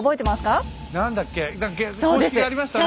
何だっけ？公式がありましたね。